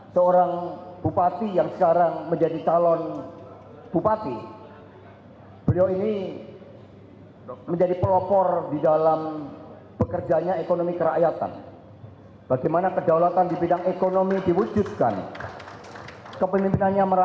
sebagai talon wakil gubernur